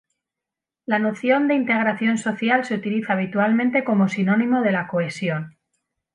La noción de integración social se utiliza habitualmente como sinónimo de la cohesión.